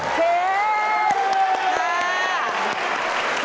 รถเข็นค่ะขอบคุณครับ